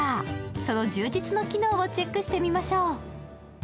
その充実の機能をチェックしてみましょう。